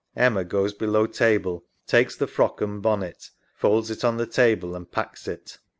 [Emma goes below table, takes the frock and bonnet, folds it on the table and packs it.